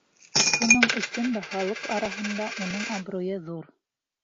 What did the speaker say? Шуның өсөн дә халыҡ араһында уның абруйы ҙур.